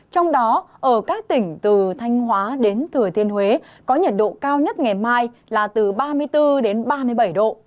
trong đó ở các tỉnh từ thanh hóa đến thừa thiên huế có nhiệt độ cao nhất ngày mai là từ ba mươi bốn đến ba mươi bảy độ